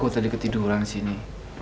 aku tadi ketiduran sini